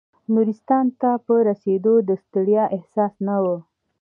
نورستان ته په رسېدو د ستړیا احساس نه و.